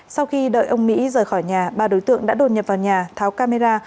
sau khi đợi ông mỹ rời khỏi nhà ba đối tượng đã đột nhập vào nhà tháo camera